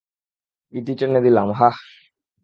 ইতি টেনে দিলাম, হাহ?